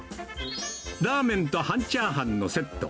ラーメンと半チャーハンのセット。